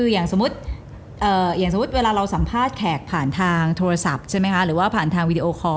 อย่างสมมุติอย่างสมมุติเวลาเราสัมภาษณ์แขกผ่านทางโทรศัพท์ใช่ไหมคะหรือว่าผ่านทางวีดีโอคอร์